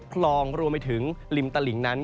คลองรวมไปถึงริมตลิงนั้น